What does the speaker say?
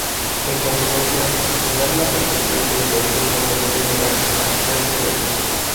En consecuencia, negar la perfección de cualquier cosa sería negar al Ser Supremo.